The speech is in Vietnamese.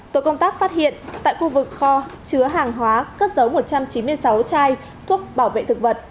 tổ công tác phát hiện tại khu vực kho chứa hàng hóa cất giấu một trăm chín mươi sáu chai thuốc bảo vệ thực vật